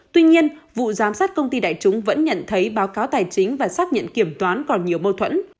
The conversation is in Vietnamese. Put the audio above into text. tuy nhiên vụ giám sát công ty đại chúng vẫn nhận thấy báo cáo tài chính và xác nhận kiểm toán còn nhiều mâu thuẫn